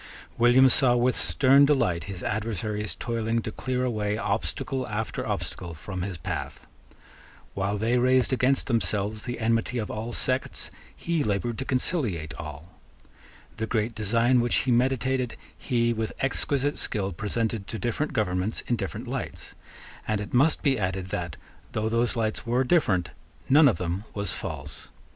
William saw with stern delight his adversaries toiling to clear away obstacle after obstacle from his path. While they raised against themselves the enmity of all sects, he laboured to conciliate all. The great design which he meditated, he with exquisite skill presented to different governments in different lights; and it must be added that, though those lights were different, none of them was false.